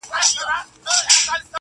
پر زولنو یې دي لیکلي لېونۍ سندري-